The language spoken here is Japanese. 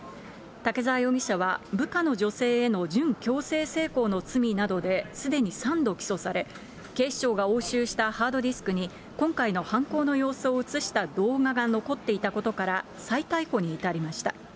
竹沢容疑者は、部下の女性への準強制性交の罪などですでに３度起訴され、警視庁が押収したハードディスクに今回の犯行の様子を映した動画が残っていたことから、再逮捕に至りました。